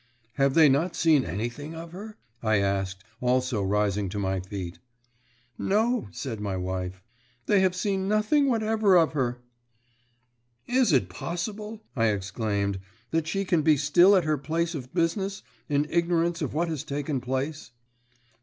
"Have they not seen anything of her?" I asked, also rising to my feet. "No," said my wife, "they have seen nothing whatever of her." "Is it possible," I exclaimed, "that she can be still at her place of business, in ignorance of what has taken place?"